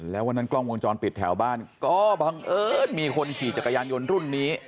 แล้ววันนั้นกล้องวงจรปิดแถวบ้านก็บังเอิญมีคนขี่จักรยานยนต์รุ่นนี้